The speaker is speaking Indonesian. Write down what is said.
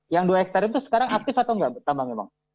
yang dua hektare itu sekarang aktif atau nggak tambang memang